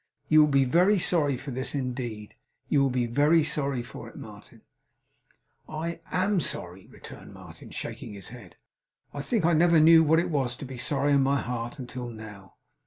You will be very sorry for this. Indeed, you will be very sorry for it, Martin.' 'I AM sorry,' returned Martin, shaking his head. 'I think I never knew what it was to be sorry in my heart, until now.